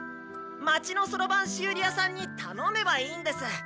町のそろばん修理屋さんにたのめばいいんです！